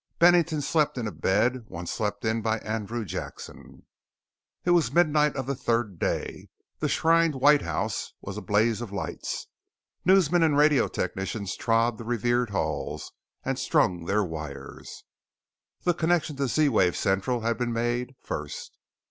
Bennington slept in a bed once slept in by Andrew Jackson. It was midnight of the third day. The shrined White House was a blaze of lights. Newsmen and radio technicians trod the revered halls and strung their wires. The connection to Z wave Central had been made, first.